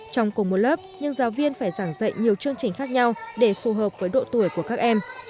trong cùng một lớp những giáo viên phải giảng dạy nhiều chương trình khác nhau để phù hợp với độ tuổi của các em